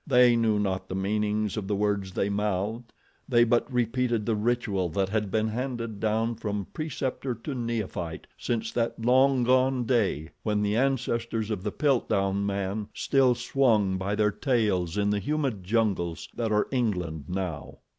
They knew not the meanings of the words they mouthed; they but repeated the ritual that had been handed down from preceptor to neophyte since that long gone day when the ancestors of the Piltdown man still swung by their tails in the humid jungles that are England now.